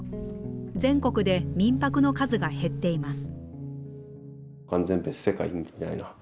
全国で民泊の数が減っています。